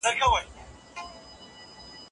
زما پر زړه باندي ستا نم لکه وږمه ولګي